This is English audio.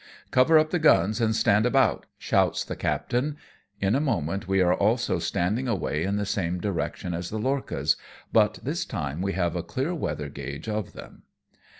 " Cover up the guns, and stand by about," shouts th,e captain. In a moment we are also standing awa)' in the same direction as the lorchas, but this time we have a clear weather gauge of them.